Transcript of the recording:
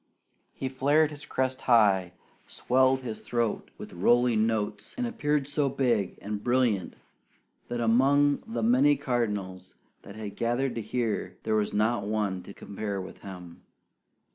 He flared his crest high, swelled his throat with rolling notes, and appeared so big and brilliant that among the many cardinals that had gathered to hear, there was not one to compare with him.